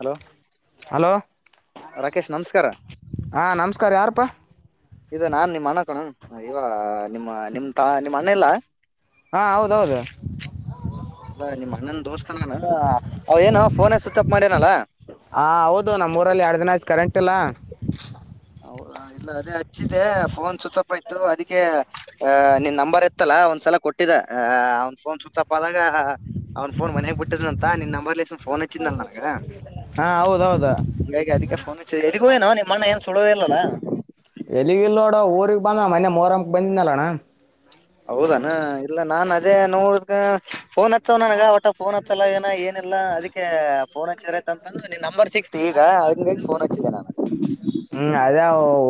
Hello hello Rakesh ನಮಸ್ಕಾರ [inaudible] ಹಾ ನಮಸ್ಕಾರ ಯಾರಪ್ಪಾ ಇದು ನಾನ್ ನಿಮ್ಮ್ ಅಣ್ಣ ಕಣ ಇವ ನಿಮ್ಮ ನಿಮ್ ತಾ ನಿಮ್ಮ್ ಅಣ್ಣ ಎಲ್ಲಾ ಹಾ ಹೌದೌದು ಇಲ್ಲ ನಿಮ್ಮ ಅಣ್ಣನ ದೋಸ್ತ ಅವ ಏನು ಫೋನೇ ಸ್ವಿಚ್ ಅಪ್ ಮಾಡ್ಯನಲ್ಲಾ. ಹಾಂ ಹೌದು ನಮ್ಮ ಊರಲ್ಲಿ ಎರಡು ದಿನ ಆಯ್ತು ಕರೆಂಟ್ ಇಲ್ಲ ಹೌದಾ ಇಲ್ಲ ಅದೇ ಹಚ್ಚಿದೆ ಫೋನ್ ಸೀಚ್ ಅಪ್ ಆಯ್ತು ಅದಕ್ಕೆ ಆ ನಿನ್ ನಂಬರ್ ಇತ್ತಲ್ಲ ಒಂದ ಸ ಕೊಟ್ಟಿದ್ದ ಅವ್ ಫೋನ್ ಸೂುತ್ತ ತಪ್ಪ ಆದಾಗ ಅವ್ ಫೋನ್ ಮನ್ಗ ಬಿಟ್ಟಿದ್ ಅಂತ ನಿನ್ ನಂಬರ್ ಫೋನ್ ಹಚ್ಚಿದ್ನಲ್ಲ ನನಗ ಹೌ ಹಂಗಾಗಿ ಅದಕ್ಕೆಫೋನ್ ಇದಗೂ ಏನ ನಿಮ್ಮಣ್ಣ ಏನ್ ಸುಡೋ ಇರ್ಲಲ್ಲ. ಎಲ್ಲಿಗಿಲ್ಲ ನೋಡು ಊರಿಗೆ ಬಂದ ಮನೆ ಮೋರ ಬಂದನಲ್ಲಣ ಹೌದಾನ ಇಲ್ಲ ನಾನ್ ಅದೇ ನೋಡ ಫೋನ್ ಹಚ್ಚವ ನನಗ ಒಟ್ಟ ಫೋನ್ ಹಚ್ಚಲ್ಲ ಏನ ಏನ ಎಲ್ಲಾ ಅದಕ್ಕೆ ಫೋನ್ ಹಚ್ಚಿರೈತ ಅಂತಂದ ನಿನ್ ನಂಬರ್ ಸಿಕ್ತಿ ಈಗ ಹಂಗಾಗಿ ಫೋನ್ ಹಚ್ಚಿದ್ದೆ ನಾನು ಹ್ಮ್ ಅದ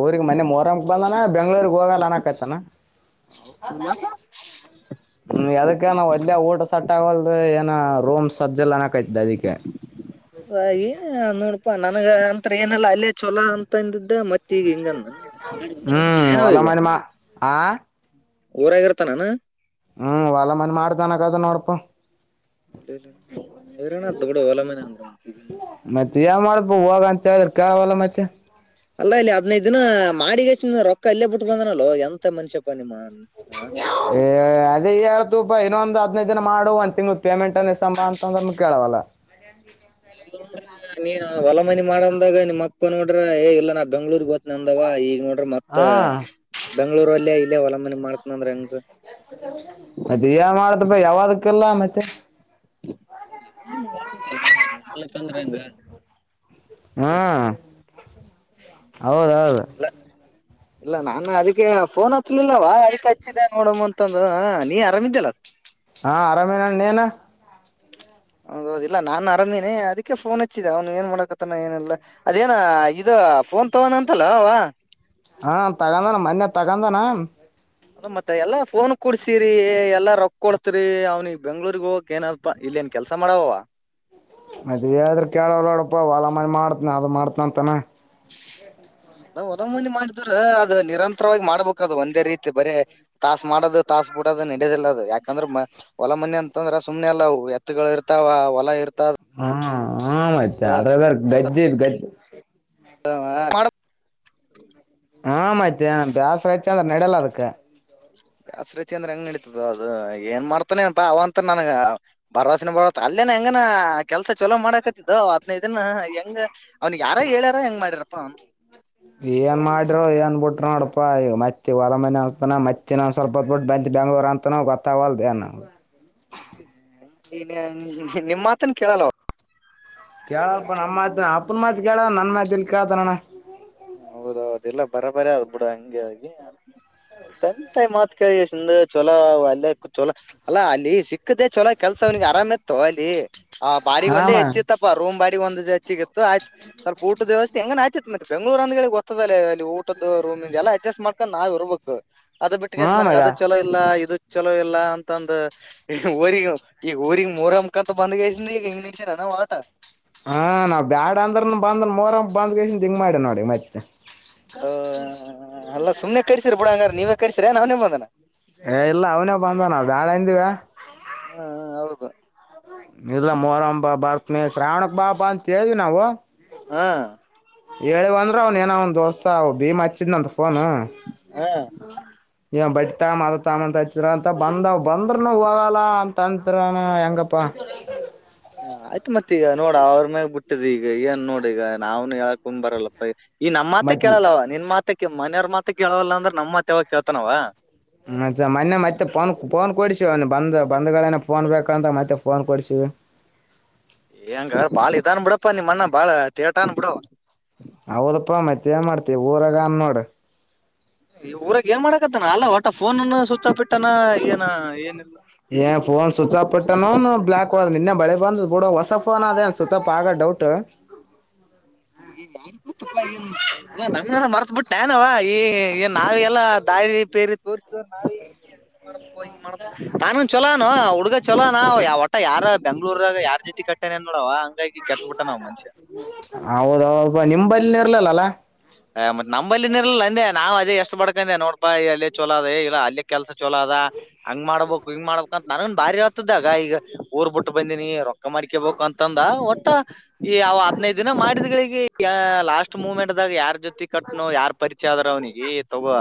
ಊರಿಗ್ ಮನೆ ಮರ ಬಂದಾನ ಬೆಂಗ್ಳೂರ್ಗೆ ಹೋಗಲ್ಲ ಅನಕತಾನ ಯಾಕ ಹ್ಮ್ ಅದಕ್ಕ ನಾವ ಅಲ್ಲೇ ಊಟ ಸಟ್ ಆಗಲ್ ಏನ ರೋಮ್ ಸಜ್ಜಲ್ಲ. ಅನ್ನಕತ್ತಿದ್ದೆ ಅದಕ್ಕೆ ಹಾಗ ನೋಡ್ ಪ್ಪಾ ನನಗ ಅಂತ ಏನಲ್ಲ ಅಲ್ಲೇ ಚಛಲ ಅಂತಂದಿದ್ದೆ ಮತ್ತ ಈಗ ಹಿಂಗಂದ [unintelligible] ಹ್ಞೂ ರ್ತ ಏನ ಹೊಲ ಈಗ ಮನೆ ಮಾ ಆ ಊರಾಗಿರ್ತಾನಾನ ಹ್ಮ್ ಒಲ ಮನ್ ಮಾಡ್ದನ್ ಆಗದ ನೋಡಪ ಇರೋಣತ್ ಬಿಡು ಹೊಲ ಮನೆ ಅಂದ್ರ ಮತ್ತೀಗ. [inaudible] ಮತ್ತೆ ಯಾವ ಮಾಡಬೋವಾಗ ಅಂತ ಹೇಳಿ. ಕಾವಾಲ ಮತ್ತೆ ಅಲ್ಲಾ ಇಲ್ಲಿ ಅದಿನೈಧೂ ದಿನ ಮಾಡಿಗಸ ರೊಕ್ಕ ಅಲ್ಲೇ ಬಿಟ್ಟು ಬಂದನಲ್ವ ಎಂತ ಮನ್ಷ್ಯಪ್ಪಾ ನಿಮ್ಮ ಆ ಏ ಅದೇ ಎಳ್ ತುಪ ಇನ್ನೊಂದ ಹದ್ನೈದ್ ದಿನ ಮಾಡು ಒಂದ್ ತಿಂಗಳ ಪೇಮೆಂಟ್ ಅಂದ್ರೆ ಸಂಬಳ ಅಂತಂದ್ರು ಕೇಳವಲ್ಲ [inaudible] ನೀನ ಹೊಲಮನಿ ಮಾಡಂದಾಗ ನಿಮ್ಮಪ್ಪ ನೋಡ್ರ ಏ ಇಲ್ಲ ನಾ ಬೆಂಗ್ಳೂರ್ಗ್ ಹೋತ್ ನಂದವ ಈಗ ನೋಡ್ರಿ ಮತ್ ಹಾ ಬೆಂಗಳೂರಲ್ಲೇ ಇಲ್ಲೇ ಹೊಲ ಮನಿ ಮಾಡ್ತಿನಂದ್ರೆ ಹೆಂಗರೀ ಮತ್ತೆ ಯಾ ಮಾಡ್ದ ಬಾ ಯಾವದಕ್ಕೆಲ್ಲ ಮತ್ತೆ [unintelligible] ಹ್ಮ್ ಹೌದೌದು ಇಲ್ಲ ಇಲ್ಲ ನಾನೂ ಅದಕ್ಕೆ ಫೋನ್ ಹಚ್ಲಿಲ್ಲಲ್ಲ ಅದಿಕೆ ಹಚ್ಚಿದೆ ನೋಡಮ್ಮ ಅಂತಂದ ನೀ ಆರಾಮಿದ್ದಲ್ಲ ಹಾ ಆರಾಮೇನ ನೀನು ಹೌದೌದ್ ಇಲ್ಲ ನಾನ್ ಅರಾಮೇನೆ ಅದಕ್ಕೆ ಫೋನ್ ಹಚ್ಚಿದೆ ಅವ್ನು ಏನ್ ಮಾಡಕತಾನ ಏನಲ್ಲಾ ಅದೇನ ಇದ ಫೋನ್ ತಗೋನ ಅಂತಲ್ಲ ಅವ ಹಾ ತಗೊಂಡಾನ ಮನ್ನೆ ತಗಂದಾನ ಅದ ಮತ್ತೆ ಎಲ್ಲಾ ಫೋನ್ ಕೊಡ್ಸಿರಿ ಎಲ್ಲಾ ರೊಕ್ಕ ಕೊಡ್ತರಿ ಅವ್ನಿಗ್ ಬೆಂಗ್ಳೂರ್ಗ್ ಹೋಗಕ್ ಏನಲ್ತಾ ಏನ್ ಕೆಲ್ಸ ಮಾಡಾವವ ಮದ್ವೇ ಆದ್ರೆ ಕೇಳ ಬೇಡಪ್ಪ ಹೊಲ ಮನಿ ಮಾಡ್ತನ ಅದು ಮಾಡ್ತನ ಅಂತಾನ ಅದೇ ಹೊರ ಮಂದಿ ಮಾಡ್ತಾರೆ ಅದು ನಿರಂತರವಾಗಿ ಮಾಡ್ಬೇಕದು ಒಂದೇ ರೀತಿ ಬರೇ ತಾಸ ಮಾಡದು ತಾಸ್ ಬಿಡೋದು ನಡಿಯದಿಲ್ಲ ಅದು ಯಾಕಂದ್ರೆ ಹೊಲ ಮನೆ ಅಂತ್ ಅಂದ್ರ ಸುಮ್ನೆ ಅಲ್ಲವು ಎತ್ಗಳು ಇರ್ತಾವ ಹೊಲ ಇರ್ತ [unintelligible] [unintelligible] ಹಾ ಮತ್ತೆ ದಾಸ್ರಾಯತ ಅಂದ್ರ ನಡಲ್ಲ ಅದಕ್ಕೆ ದಸ್ ರತಿ ಅಂದ್ರ ಹೆಂಗ್ ನಡತದ ಅದು ಏನ್ ಮಾಡ್ತಾನೆ ಅನಪಾ ಅವ ಅಂತ ನನಗ ಭರವಸಿನ ಬರತಲ್ ಇನ ಹೆಂಗನ ಕೆಲ್ಸ ಚಲೋ ಮಾಡಾಕತ್ತಿದ್ದೋ ಹದ್ನೈದ ದಿನ ಹೆಂಗ ಅವನಿಗೆ ಯಾರ ಹೇಳ್ಯಾರ ಹೆಂಗ ಮಾಡ್ಯಾರಪ್ಪ ಅವನು ಏನ್ ಮಾಡ್ರು ಏನ್ ಬಿಟ್ರು ನೋಡಪಾ ಈ ಮತ್ತೆ ಹೊಲ ಮನೆ ಅಂತನ ಮತ್ತ ಇನ್ನೊಂದ್ ಸ್ವಲ್ಪ ದಿನ ಬಿಟ್ ಬಂದ್ ಬೆಂಗ್ಳೂರು ಅಂತನ ಗೊತ್ತಾಗ್ವಲ್ದು ಏನ [unintelligible] ನಿಮ್ ಮಾತನ್ ಕೇಳಲ್ಲವ ಕೇಳಲ್ಲಪ್ಪ ನಮ್ ಮಾತನ್ನ ಅಪ್ಪನ ಮಾತ್ ಕೇಳಲ್ಲ ನನ್ ಮಾತ್ ಎಲ್ಲ್ ಕೇಳ್ತನಣ್ಣ ಹೌದೌದು ಇಲ್ಲ ಬರಬರೀ ಅದ್ ಬಿಡ ಹಂಗೆ ಆಗಿ ತಂತಾಯಿ ಮಾತ್ [unintelligible] ಚೊಲೋ ಅಲ್ಲ ಚಲೋ ಅಲ್ಲಾ ಅಲ್ಲಿ ಸಿಕ್ಕದೆ ಚಲೋ ಕೆಲ್ಸ ಅವನಿಗೆ ಆರಾಮಿತ್ತು ಅಲ್ಲಿ ಆ ಬಾರಿಿಗೆ ಹಾಮ ಒಂದೇ ಹೆಚ್ಚ ಇತ್ತಪ್ಪಾ ರೂಮ್ ಬಾಡಿಗೆ ಒಂದ ಹೆಚ್ಚಿ ಇತ್ತು ಆಯ್ತ್ ಸ್ವಲ್ಪ ಊಟದ ವ್ಯವಸ್ಥ ಹೆಂಗನ್ ಆಯತತ್ ಮತ್ತ್ ಬೆಂಗ್ಳೂರ್ ಅಂದಿ ಗೊತ್ತದಲ್ಲೇ ಅಲ್ಲಿ ಊಟದ ರೂಮ್ ಇಂದ ಎಲ್ಲಾ ಅಡ್ಜಸ್ಟ್ ಮಾಡ್ಕೊಂಡ್ ನಾವ್ ಇರ್ಬೇಕು ಅದು ಬಿಟ್ಟ ಹಾ ಕಯಸ ನನಗೆ ಮದ ಅದು ಚಲೋ ಇಲ್ಲ ಇದು ಚಲೋ ಇಲ್ಲ ಅಂತಂದು ಈಗ ಊರಿ ಈಗ ಊರಿಗ ಮೂರಮಕಂತ ಬಂದ್ಗೆೇಸ ಈಗ ಇಂಗ್ ನಿಂಸರನಾ ಆಟ ಹಾ ನಾವ್ ಬ್ಯಾಡ ಅಂದ್ರನು ಬಂದ ಮೋರ ಬಂದ್ ದಿಂಗ್ ಮಾಡಿ ನೋಡಿ ಮತ್ತೆ ಹ ಅಲ್ಲ ಸುಮ್ನೆ ಕರ್ಸ್ರರಿ ಬಿಡ ಹಂಗಾರ ನೀವೇ ಕರ್ಸಿರ ನಾವನೇ ಮತ್ ಏ ಇಲ್ಲ ಅವನೇ ಬಂದ ನಾವ ಬೇಡ ಅಂದಿವ ಹ್ಮ್ ಹೌದು ಇಲ್ಲಾ ಮೋರ ಬಾ ಬರ್ತನಿ ಶ್ರಾವಣಕ್ ಬಾಬಾ ಅಂತ ಹೇಳಿ ನಾವು ಹಾ ಹೇಳಿ ಅಂದ್ರ ಅವನ ಏನ ಅವನ್ ದೋಸ್ತ ಅವ ಭೀಮ ಹಚ್ಚಿದ್ನಂತ ಫೋನು ಹಾ ಏ ಬಟ್ ತ ಮಲ್ ತಾಮ ಅಂತ ಹತರ ಅಂತ ಬಂದಾವ ಬಂದ್ರನು ಹೋಗಲ್ಲ ಅಂತ ಅಂತರ ಅಣ್ಣ ಹೆಂಗ ಪ್ಪಾ ಆಯ್ತ್ ಮತ್ ಈಗ ನೋಡ ಅವ್ರ ಮ್ಯಾಗ ಬಿಟ್ಟದ್ ಈಗ ಏನ್ ನೋಡ್ ಈಗ ನಾವ್ನು ಯಕಂಬ್ ಬರಲ್ಲಪ್ಪ ಈ ನಮ್ಮ ಮಾತ ಮತ್ ಕೇಳಲ್ಲವ ನಿನ್ ಮಾತ ಮನೆಯವ ಮಾತ ಕೇಳವಲ್ಲ ಅಂದ್ರ ನಮ್ ಮಾತ ಯವಾಗ ಕೇಳ್ತಾನವ. ಮತ್ತ ಮೊನ್ನೆ ಮತ್ತೆ ಫೋನ್ ಫೋನ್ ಕೊಡಸಿವ ಅವನು ಬಂದ ಬಂದ್ಗಳನ ಫೋನ್ ಬೇಕಂತ ಮತ್ತೆ ಫೋನ್ ಕೊಡ್ಸಿವಿ ಹೆಂಗಾರ ಬಾಳ ಇದನ್ ಬಿಡಪ್ಪ ನಿಮ್ಮಣ್ಣ ಬಾಳ ತೇಟನ್ ಬಿಡವ ಹೌದಪ್ಪಾ ಮತ್ತ ಏನ್ ಮಾಡ್ತಿವಿ ಊರಾಗ ಅನ್ ನೋಡ್ ಈ ಊರಗ್ ಏನ್ ಮಾಡಾಕತ್ತನ ಅಲ್ಲ ಒಟ್ಟ ಫೋನ್ನ ಸ್ವಿಚ್ ಆಫ್ ಇಟ್ಟ್ ಏ ಫೋನ್ ಸ್ವಿಚ್ ಆಫ್ ಪಟ್ಟಾನ ಅವ್ನು ಬ್ಲಾಕ್ ಹದ ನಿನ್ನೆ ಬೆಳೆ ಬಂದ ಬಿಡ ಹೊಸ ಫೋನ್ ಅದ ಅನ್ ಸ್ವಿಚ್ ಆಫ್ ಆಗೋದ್ ಡೌಟ್ [inaudible] ಅಲ್ಲ ನನ್ನಾನ ಮರ್ತ್ ಬಿಟ್ಟು ನನ್ವ ಈ ಈ ನಾವ ಎಲ್ಲ ದಾರಿ ಪೇರಿ ತೋರ್ಸಿದ ನಾವ ನಾನುನ್ ಚಲೋನ ಹುಡ್ಗ ಚೊಲೋ ನ ಯ ಒಟ ಯಾರ ಬೆಂಗ್ಳೂರಾಗ ಯಾರ ಜೊತಿ ಕಟ್ಟ ಮಟ್ಟನ್ ಏನ್ ನೋಡವ ಹಂಗಾಗಿ ಕೆಟ್ಟಬಿಟ್ಟ ನಾವ್ ಮನ್ಷ್ಯ ಹೌದೌ ನಿಮಂಬಲ್ಲಿನ ಇರ್ಲಲ್ಲಲ್ಲಾ. ಮತ್ ನಂಬಲ್ಲಿ ನಿ ಇರ್ಲ್ಲ ಅಂದೆ ನಾವ್ ಅಲ್ಲೇ ಎಷ್ಟ ಬಡ್ಕಂದೆ ನೋಡ್ಪಾ ಅಲ್ಲಿ ಚಲ ಅದೇ ಇಲ್ಲ ಅಲ್ಲಿ ಕೆಲ್ಸ ಚೋಲ ಅದ ಹಂಗ್ ಮಾಡ್ಬಬೇಕು ಹಿಂಗ್ ಮಾಡ್ಬೇಕ ಅಂತ ನನನ್ ಭಾರಿ ಆತದ ಆಗ ಈಗ ಊರ್ ಬಿಟ್ಟ ಬಂದೀನಿ ರೊಕ್ ಕ್ಕ ಮರಿಕೇ ಬು ಅಂತಂದ ಒಟ್ಟ ಈ ಅವ ಹದ್ನೈದು ದಿನ ಮಾಡಿದಂಗೆ ಲಾಸ್ಟ್ ಮುಮೆಂಟ್ ಗ ಯಾರ ಜೊತೆ ಟಿಕಟ್ನು ಯಾರ್ ಪರಿಚಯ ಆದ್ರ ಅವ್ನಿಗೆ ತಗೋ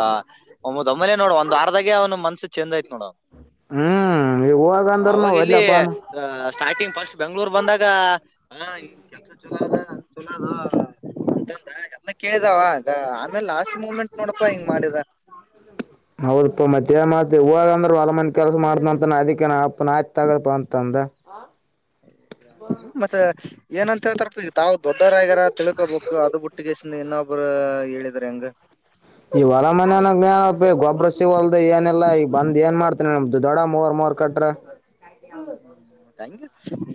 ಒೊಮ್ಮಲೆೇ ನೋಡ ಒಂದ್ ಆರ್ದಾಗೆ ಅವ್ನು ಮನ್ಸ. ಡ ಹ್ಮ್ ಈಗ ಹೋಗಂದ್ರನು ಅವಾಗ ಇಲ್ಲಿ ಒಲ್ಲಪ್ಪನು ಸ್ಟಾರ್ಟಿಂಗ್ ಫಸ್ಟ್ ಬೆಂಗ್ಳೂರ್ ಬಂದಾಗ. ಹಾ ಈನ್ ಕೆಲ್ಸ ಚಲೋ ಅದ ಚಲೋ ಅದು ಅಂತ ಎಲ್ಲ ಕೇಳಿದಾವ. ಆಮೇಲ್ ಲಾಸ್ಟ್ ಮೂಮೆಂಟ್ ನೋಡಪ್ಪಾ ಹಿಂಗ್ ಮಾಡಿದ. ಹೌದಪ್ಪಾ ಮತ್ತೆ ಮಾಡ್ ಹದ ಅಂದ್ರ ಹೊಲ ಮಂದ ಕೆಲ್ಸ ಮಾಡ್ದ ಅಂತ ಅದಕ್ಕಾಯ್ತ್ ತಗಪ ಅಂತಂದ. ಹ ಮತ್ತೆ ಏನಂತ ಹಳ್ತಾರ ಈ ತಾ ದೊಡ್ಡವರಾಗ್ಯಾರ ತಿಳ್ಕೋಬೇಕು ಅದು ಬಿಟ್ಟ. ಪಟ್ಟಗಸ ಇನ್ನೊಬ್ಬರು ಹೇಳಿದಿದ್ದಾರೆ ಹೆಂಗ ಈ ಹೊಲ ಮನನಾಗ ಗೊಬ್ರಸಿ ಹೊಲ್ದ ಏನಿಲ್ಲಲ್ಲ ಈಗ ಬಂದ್ ಏನ್ ಮಾಡ್ತನಿ ನಮ. ದೊಡ ಮೂರ್ ಮೂರ್ ಕಟ್ರೆ ಹಂಗ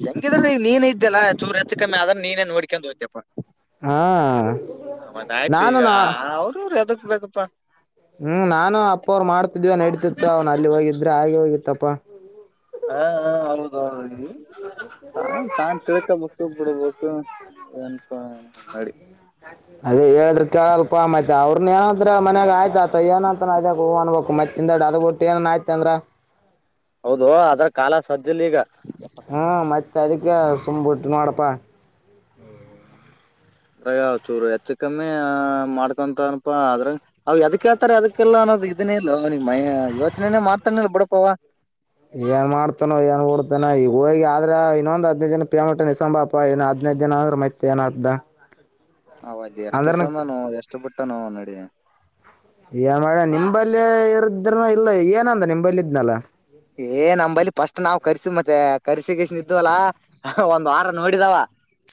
ಹೆಂಗಿದ್ರ ನೀನೇ ಇದ್ದ್ಯಲ್ಲ ಚೂರು ಹೆಚ್ಚ ಕಮ್ಮಿ ಅದ್ರ ನೀನೇ ನೋಡ್ಕೊಂಡು ಹೋಗ್ತಪ್ಪ. ಹಾ ಆ ಮದ ಆಯ್ತು ನಾನು ಈಗ ನಾ ಅವ್ರರು ಯದಕ್ ಬೇಕ. ಹ್ಮ್ ನಾನು ಅಪ್ಪ ಅವರು ಮಾಡ್ತಿದ್ವ ನಡ್ತಿತ್ತು ಅವ್ನು ಅಲ್ಲಿ ಹೋಗಿದ್ರೆ ಹಾಗೆ ಹೋಗಿತ್ತಪ್ಪಾ. ಹಾ ಹ ಹೌದು ಅವ ತನ್ ತಾನೇ ತಿಳ್ಕಬೇಕು ಬಿಡ್ಬೇಕುನ್ಪ ಮಾಡಿದಿ. ಅದೇ ಹೇಳಿದ್ರ ಕಲ್ಪ ಮತ್ತ ಅವ್ರನ ಏನಂದ್ರ ಮಯಾಗ ಆಯ್ತ ಆತ ಏನಂತಾನ ಅದ ಹ ಅನ್ಬೇಕು ಮತ್ತೆ. ಹಿಂದಾಡು ಅದು ಒಟ್ಟು ಏನೇನ್ ಆಯ್ತ ಅಂದ್ರ. ಹೌದು ಅದ್ರ ಕಾಲ ಸಂಜೆಯಲ್ಲಿ ಈಗ. ಹ್ಮ ಮತ್ತೆ ಅದಕ್ಕೆ ಸುಂಬ್ಬಟ್ಟು ನೋಡಪ್ಪ ಹ್ಮ ಅದ್ರಾಗ ಚೂರು ಹೆಚ್ಚ ಕಮ್ಮಿ ಮಾಡ್ಕೊಂತ ಅನಪಾ ಅದ್ರ ಅವ್ ಅದಕ್ ಹೇಳ್ತಾರೆ ಅದಕ್ ಹಲ್ಲ ಅನ್ನೋದು ಇದ್ದನಿ ಇಲ್ಲ ನಿಗ್ ಮ ಯೋಚನೆನೇ ಮಾಡ್ತಾನ ಇಲ್ಲ ಬ ಬಿಡಪವ. ಏನ್ ಮಾಡ್ತಾನೋ ಏನ್ ಹಡ್ತಾನ ಈಗ ಹೋಗಿ ಆದ್ರ ಇನ್ನೊಂದ್ ಹದ್ದು ದನ ಪೇಮಂಟಿಸಂಬಾಪ್ಪಾ, ಇ ಇನ್ನೈದ ದನ ಅಂದ್ರೆ ಮೈತ್ತ ಏನಾದ್ದ ಅವ ಅಲ್ಲಿ ಎಷ್ಟುಸಂದನು ಎಷ್ಟು ಬಿಟ್ಟನು ನೋಡಿ. ಏ ಮಾಡೆ ನಿಂಬಲ್ಲಿ ಇರಿದ್ರನು ಇಲ್ಲ ಏನಂದ ನಿಂಬಲ್ಲಿ ಇದ್ನಲ್ಲ. ಏ ನಮಂಬಳಿ ಫಸ್ಟ್ ನಾವ್ ಕರ್ಸಿ ಮತ್ತೆ ಕಸಿ ಕಿಸ ನಿದ್ದವಲ್ಲಾ ಒಂದ್ ವಾರ ನೋಡಿದಾವ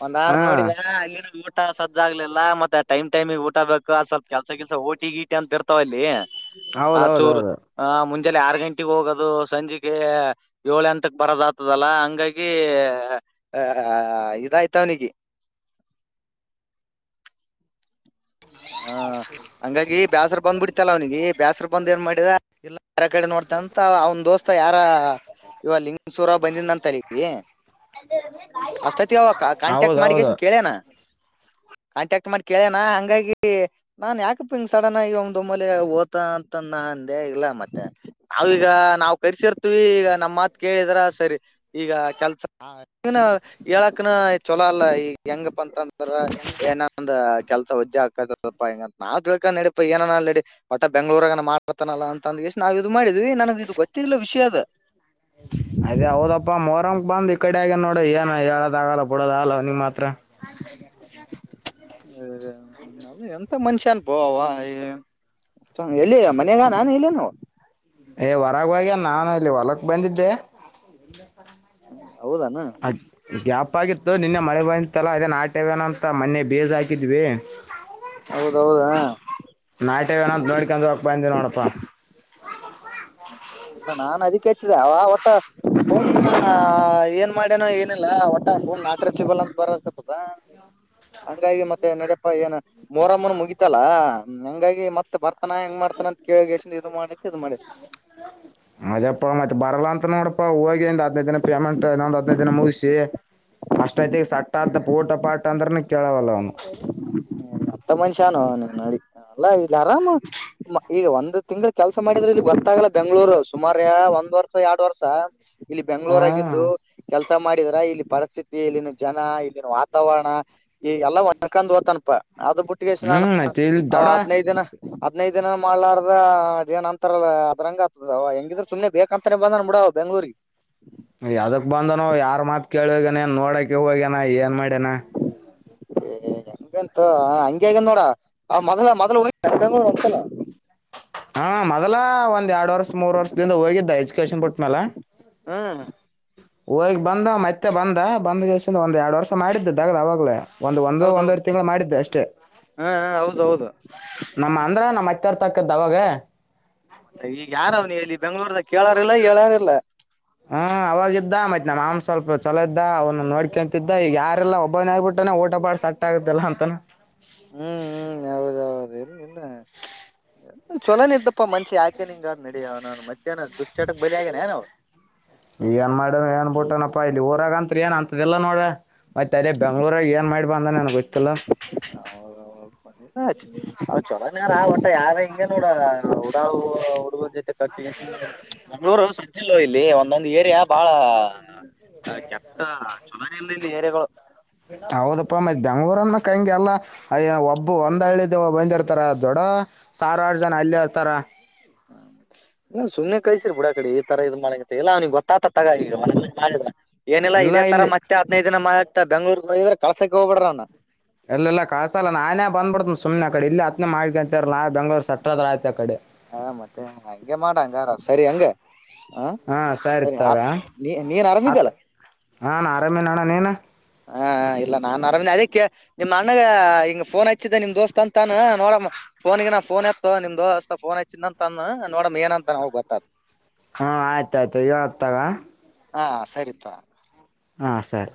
ಒಂದ್ ಆರ ಹಾ ನೋಡಿದ ಅಲ್ಲಿ. ಊಟ ಸಜ್ಜಾಗಗ್ಲಿಲ್ಲ ಮತ್ತ ಟೈಮ್ ಟೈಮಿಗ್ ಊಟ ಬೇಕು ಅ ಸ್ವಲ್ಪ ಕೆಲ್ಸ ಕೆಲ್ಸ ಓಟಿ ಗೀಟಿ ಅಂತ ಇರ್ತಾವ ಅಲ್ಲಿ. ಆ ಚೂರು ಹೌದೌದೌದು ಆ ಮುಂಜೆ ಆರು ಗಂಟಗ್ ಹೋಗೋದು. ಸಂಜೆೆಗೆ ಏಳ ಎಂಟಕ್ಕೆ ಬರೋದ ಆತದಲ್ಲ ಹಂಗಾಗಿ. ಇದಾಯ್ತವನಿ ಹಾ ಹಂಗಾಗಿ ಬೇಸರು ಬಂದ್ ಬಿಡ್ತಲ್ಲ ಅವ್ನಿಗೆ ಬೇಾಸ್ರ ಬಂದ್ ಏನ್ ಮಾಡಿದ ಇಲ್ಲ. ಯಾರ ಕಡೆ ನೋಡ್ತಾನಂತ ಅವ್ನ್ ದೋಸ್ತ ಯಾರ. ಇವ ಲಿಂಗೇಶವರ ಬಂದಿದ ತಲಗಿ ಅಷ್ಟತತಿ ಅವ ಕಾಂಟ್ಯಾಕ್ಟ್ ಹೌದೌದು ಮಾಡಗಸನ್ ಕೇಳೇನಾ. ಕಾಂಟ್ಯಾಕ್ಟ್ ಮಾಡಿ ಕೇಳ್ಯಣ ಹಂಗಾಗಿ. ನಾನ್ ಯಾಕಪ್ಪ ಹಿಂಗ ಸಡನ್ ಆಗಿ ಒಮ್ದ ಒಮ್ಮಲೆ ಓತ ಅಂತ ನ ಅಂದೇ ಇಲ್ಲ ಮತ್ತೆ. ನಾವೀಗ ನಾವವು ಕರ್ಸಿರ್ತೀವಿ ಈಗ ನಮ್ಮ್ ಮಾತ್ ಕೇಳಿದ್ರ ಸರಿ ಈಗ ಕೆಲ್ಸ ಹೇಳಕ್ನ ಚೊಲೋ ಅಲ್ಲ ಈಗ ಹೆಂಗಪ್ಪ ಅಂತಂದ್ರ ಏನಂದ ಕೆಲ್ಸ ಹೊಜ್ಜಾಗ್ ತದಪ್ಪಾ ನಾವು ತಿಳ್ಕ ನಡಪಾ ಏನ ಅ ನಡಿ ಒಟ್ಟ ಬ ಬೆಂಗಳೂರ ಮಾಡ್ತಾನ ಅಂತಂದಷ್ಟ ನಾವವು ಇದು ಮಾಡಿದ್ದ ಇ ನನಗೆ ಇದು ಗೊತ್ತಿಲ್ಲ ವಿಷಯ ಅ ಹಮ್ ಅದೇ ಹೌದಪ್ಪಾ ಮೋರಂಂಗ ಬಂದ್ ಈ ಕಡೆ ಆಗ ನೋಡಿ ಏನ ಹೇಳೋದ ಆಗಲ್ಲ ಬಿಡದ ಅಲ್ ನಿಂಗ್ ಮಾತ್ರ ಹದ ಎಂತ ಮನುಷ್ಯನ್ ಪಾವ ಎಲ್ಲಿ ಮನ್ಯಾಗ ನಾನು ಇಲ್ಲನುೋ ಏ್ ಹೊರಗವಾಗಿ ನಾನು ಇಲ್ಲಿ ಹೊಲಕ್ ಬಂದಿದ್ದೆ ಹೌದಾನ ಗ್ಯಾಪ್ ಆಗಿತ್ತು ನಿನ್ನೆ ಮಳೆ ಬಂತಲ್ಲಾ ಅದೇನ್ ಆಟ್ಯವೇನ ಅಂತ ಮೊನ್ನೆ ಬೇಜ್ ಹಾಕಿದ್ವಿ ಹೌದೌದಾ ನಾಯಟ ನ ನೋಡ್ಕೊಂಡ ಹೋಗ ಬಂದ ನೋಡಪ್ಪ ಹೌಲ್ಲ ನಾನ್ ಅದಕ್ಕೆ ಹೆಚ್ಚಿದೆ ಅವ ಒಟ್ಟ ಫೋನ್ ಏನ್ ಮಾಡ್ಯನೋ ಏನಿಲ್ಲ ಮಟ ಒಂದ ನಾಲ್ಕ ರ ಚಿಬಲ್ ಅಂತ ಬರತದ ಹಂಗಾಗಿ ಮತ್ತೆ ನಡ್ಯಪ್ಪ ಏನು ಮೋರಮ್ಮನ ಮುಗಿತಲ್ಲಾ ಹಂಗಾಗಿ ಮತ್ ಬರ್ತನಾ ಹೆಂಗ್ ಮಾಡ್ತ ಹನಂತ ಕೇಳ ಇದು ಮಾಡಕ್ಕೆ ಇದು ಮಾಡಿ ಮದಪ್ಪ ಮತ್ತೆ ಬರಲ್ಲ ಅಂತ ನೋಡಪ್ಪಾ ಹೋಗಿ ಒಂದ್ ಹದನೈದು ದನ ಪೇಮೆಂಟ್ನ್ನೊಂದ್ ಹದ್ನೈದು ದನ ಮುಗಿಸಿ ಅಷ್ಟೈಐತಿ ಸಟ್ಟ್ದ ಪೋಟ ಪಾಠ ಅಂದ್ರನ ಕೇಳವಲ್ಲ ಅವನು ಹ್ಮತ್ತ ಮ ನೋಡಿ ಅಲ್ಲ ಇಲ್ಲಿ ಆರಾಮ ಈಗ ಒಂದು್ ತಿಂಗಳು ಕೆಲಸ ಮಾಡಿದ್ರೆ ಇ ಗೊತ್ತಾಗಲ್ಲ ಬೆಂಗಗಳೂರು ಸುಮಾರ ಒಂದ್ ವರ್ಷ ಎರಡ್ ವರ್ಷ ಇಲ್ಲಿ ಹಾ ಬೆಂಗ್ಗಳೂರ ಆಗಿದ್ದು ಕೆ ಕೆಲಸ ಮಾಡಿದ್ರ ಇಲ್ಲಿ ಪರಿಸ್ಥಿತಿ ಇಲ್ಲಿನ ಜನ ಇಲ್ಲಿನ ವಾತಾವರಣ ಹ್ಮ ತನಪ ಅದು ಬಿುಟ್ಟಿಗೆಷ್ಟ ನಾನು ಇಲ್ ಅವ ದಡ ಹದ್ೈದು ದಿನ ಹದ್ೈದದು ದಿನ ಮಾಡ್ಲಾರ್ದೇನ್ ಅಂತರ ಅದ್ರಂಗ ಹೆಂಗಿದ್ರ ಸುಮ್ಮ್ನೆ ಬೇಕ ಅಂತಾನೇ ಬಂದ ಬಿಡ ಬೆಂಗ್ಳೂರು ಯಾವದಕ್ ಬಂದನುೋ ಯಾರ್ ಮಾತ್ ಕೇಳುವಗನ ನೋಡಕ ಹೋಗ್ಯನಾ ಏನ್ ಮಾಡ್ಯನಾ ಹಂತ ಹಂಗಗೆ ಹಗ ನೋಡ ಮೊದಲ ಮೊದಲ ಒಂದ್ಸಲ ಹ ಹಾ ಮೊದಲ ಒಂದ್ ಎರಡ್ ವರ್ಷ ಮೂರ್ ವರ್ಷದಿಂದ ಹೋಗಿದ್ದ ಎಜುಕೇಶನ್ ಬಿಟ್ಟ್ಮ್ಯಾಲ ಹಾ ಹೋಗಿ ಬಂದ ಮತ್ತೆ ಬಂದ ಬಂದ ದಲ್ಸಿಂದ ಒಂದ್ ಎರಡ್ ವರ್ಷ ಮಾಡಿದ್ದು ದಗ್ದ ಅವಾಗ್ಲ ಒಂದ್ ಒಂದ ಹೌದೌದು ಒಂದವರ್ ತಿಂಗಳು ಮಾಡಿದ್ದೆ ಅಷ್ಟೇ ಹಾ ಹೌದೌದು ನಮ್ಮ ಅಂದ್ರ ನಮ್ಮ ಹರ್ತಕ್ಕದ್ದ ಅವಾಗ ಬೆಂ್ಗಳೂರ್ದಾಗ ಕೇಳಾರಿಲ್ಲ ಹೇಳಾರ ಇಲ್ಲ ಹ್ಮ ಅವಾಗಿದ್ದ ಮತ್ತೆ ನಮ್ಮ ಆಮ್ ಸ್ವಲ್ಪ ಚಲ ಇದ್ದ ಅವನ್ನ ನೋಡ್ಕೊಂತಿದ್ದ ಈ ಯಾರೆಲ್ಲ ಒಬ್ಬನ ಆಗ್ಬಿಟ್ಟಾನ ಊಟ ಬಾಳ ಸಟ್ ಆಗ್ದಲ್ಲ ಅಂತಾನ ಹ್ಮ್ ಹ್ಮ್ ಹೌದೌದು ಚೊಲೋನ ಇದ್ದಪ್ಪಾ ಮನ್ಷಿ ಯಾಕೆ ನಿಂಗ ಅ್ ನಡ ನಾನನ್ ಮ ಈಗ ಏನ್ ಮಾಡ ಏನ್ಬುಟ್ಟನಪ್ಪ ಆಯ್ತು ಇಲ್ಲಿ ಊರಾಗ ಅಂತತ್ ಏನ್ ಅಂತದಿಲ್ಲಾ ನೋಡ ಮತ್ತತ್ ಅದೇ ಬೆಂಗ್ಳೂರಾಗ ಏನ್ ಮಾಡಿ ಬಂದ ನನ್ ಗೊತ್ತಿಲ್ಲ ಹೌದ್ ಚೊಲೋನ್ ಯಾರ ಒಟ್ಟ ಯಾರ ಹಂಗ ಹಗೆ ನೋಡ ಹಡಾ ಹುಡುಗ ಜೊತೆ ಕಟ್ಟ ಮಂಗ್ಗಳೂರು ಸಜಲ್ಲ ಇಲ್ಲಿ ಒಂದೊಂದ್ ಏರಿಯಾ ಬಹಳ ಕೆಟ್ಟ ಚೊಲನೆಲ್ಲ ಇಲ್ಲಿ ಏರೆಗಳು ಹೌದಪ್ಪ ಮತ್ ಬೆಂಗಳೂರು ಕಂಗೆ ಎಲ್ಲ ಒಬ್ಬ ಒಂದ್ ಹಳ್ಳಿ ಬಂದಿರ್ತಾರ ದೊಡ್ಡ ಸಾವಿಾರು ಜನ ಅಲ್ಲಿ ಹತಾರ ಹ ಹ್ಮ್ ಸುಮ್ಮನೆ ಕೈಸಿರಿ ಬ ಬಿಡಾಕಡೆ ಈ ತರ ಇದ್ ಮಾಡಂಗ ಎಲ್ಲ ಅವ್ನಿಗೆ ಗೊತ್ತಾತ ತಗ ಈಗಿದ ಏನಿಲ್ಲ ಇಲ್ಲ ಇದೇ ತರ ಇಲ್ಲಿ ಮತ್ತೆ ಹದ್ೈದು ದಿನ ಮಾ ಬ ಬೆಂಗ್ೂಗ್ ಹೋದ್ರೆ ಕಸಕ್ಕೆ ಹೋಗ್ಬೇಡ್ರ ಅವ್ನ ಇಲ್ಲ ಇಲ್ಲ ಕಸಲ್ಲ ನಾನೇ ಬಂದ್ಬಿಡ್ತನ ಸು್ನೆ ಕಡೆ ಇಲ್ಲಿ ಹತ್ನನೆ ಮಾಡ್ಕಿ ಅಂತರ್ ನಾ ಬೆಂಗಳೂರು ಸಟ್ಟದ್ರ ಆಯತ ಆ ಕಡೆ ಹಾ ಮತ್ತೆ ಹಂಗೆ ಮಾಡ ಹಂಗಾರ ಸರಿ ಹಂಗ ಹಾ ಸರಿ ಆ ನೀ ನೀನ್ ಆತ್ ಆರಾಮಿದಲ್ಲ ಹಾಂ ಆರಾಮೇನಣ್ಣ ನೀನು ಹಾ ಇಲ್ಲ ನಾನ್ ಆರಾಮ ಅದಕ್ಕೆ ನಿಮ್ಮ್ ಅಣ್ಣಗ ಹಂಗ ಫೋನ್ ಹಚ್ಚಿದ್ದೆ ನಿಮ್ ದೋಸ್ತ್ ಅಂತಾನ ನೋಡ ಫೋನ್ಿಗೆ ನಾಫೋನ್ ಎತ್ತು ನಿಮ್ದು ಅಸಫೋನ್ ತನ್ ಅಂತ ಅಂದ ನೋಡಮ ಏನಂತ ಹೋಗ್ ಬತ್ತಾರ ಹಾ ಆಯ್ತಾಯಯ್ತು ತಗ ಹಾ ಸರಿತ ಹಾಂ ಸರ್